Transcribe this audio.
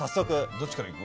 どっちからいく？